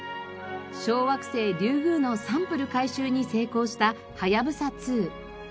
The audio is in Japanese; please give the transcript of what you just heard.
小惑星リュウグウのサンプル回収に成功したはやぶさ２。